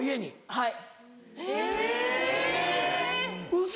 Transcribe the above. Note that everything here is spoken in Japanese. はい。